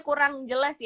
kurang jelas ya